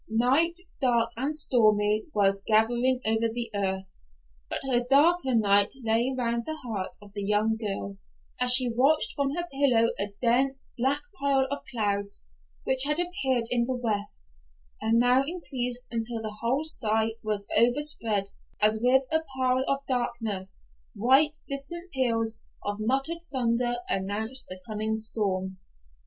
Night, dark and stormy, was gathering over the earth, but a darker night lay round the heart of the young girl, as she watched from her pillow a dense, black pile of clouds, which had appeared in the west, and now increased until the whole sky was overspread, as with a pall of darkness, while distant peals of muttered thunder announced the coming storm.